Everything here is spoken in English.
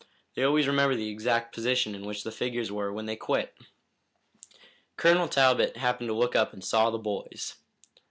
They always remember the exact position in which the figures were when they quit." Colonel Talbot happened to look up and saw the boys.